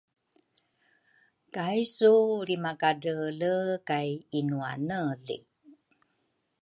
kaisu lrimakadreele kay inuaneli.